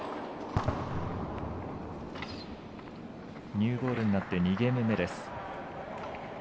ニューボールになって２ゲーム目。